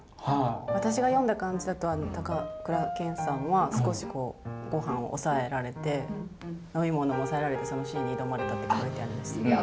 私が読んだ感じだと高倉健さんは少しごはんと飲み物を抑えられてそのシーンに挑まれたって書いてありました。